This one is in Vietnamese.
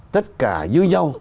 tất cả như nhau